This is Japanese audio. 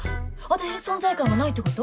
私に存在感がないってこと？